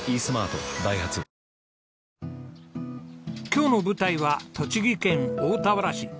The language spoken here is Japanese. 今日の舞台は栃木県大田原市。